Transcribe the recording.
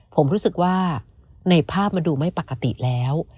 ผมรู้สึกว่าในภาพมันดูไม่ปกติแล้ว